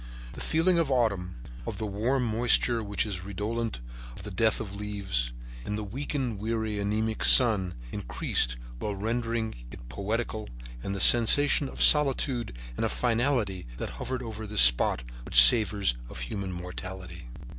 "The feeling of autumn, of the warm moisture which is redolent of the death of the leaves, and the weakened, weary, anaemic sun increased, while rendering it poetical, the sensation of solitude and of finality that hovered over this spot which savors of human mortality.